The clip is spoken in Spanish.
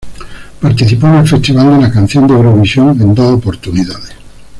Participó en el Festival de la Canción de Eurovisión en dos oportunidades.